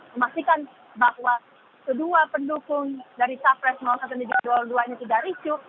memastikan bahwa kedua pendukung dari safres maupun smpj dua ratus dua puluh dua ini tidak risu